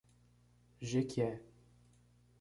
Jequié